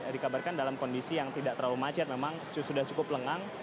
dikabarkan dalam kondisi yang tidak terlalu macet memang sudah cukup lengang